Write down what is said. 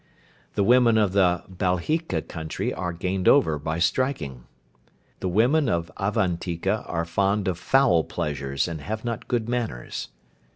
The women of the Balhika country are gained over by striking. The women of Avantika are fond of foul pleasures, and have not good manners.